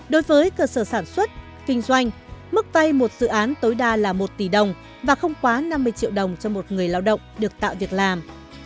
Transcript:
đối với cơ sở sản xuất kinh doanh mức vay một dự án tối đa là một tỷ đồng và không quá năm mươi triệu đồng cho một người lao động được tạo việc làm